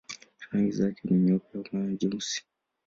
Rangi zake ni nyeupe na nyeusi.